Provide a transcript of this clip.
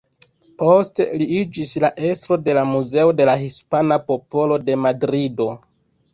Poste li iĝis la estro de la Muzeo de la Hispana Popolo de Madrido.